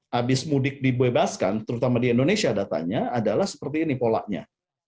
habis mudik dibebaskan terutama di indonesia datanya adalah seperti ini polanya